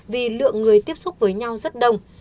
vì lượng người tiếp xúc với nhau rất đông